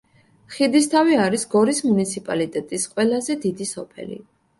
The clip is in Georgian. ხიდისთავი არის გორის მუნიციპალიტეტის ყველაზე დიდი სოფელი.